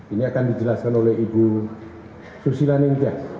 ini akan dijelaskan oleh ibu susi laninca